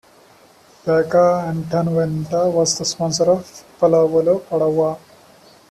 Banca Antonveneta was the sponsor of Pallavolo Padova.